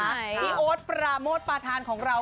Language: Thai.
ที่โอร์ดปราโม่ตปาทานของเรา